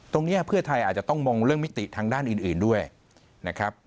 เพื่อไทยอาจจะต้องมองเรื่องมิติทางด้านอื่นด้วยนะครับ